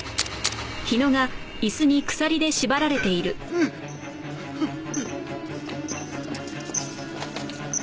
ううっうっ！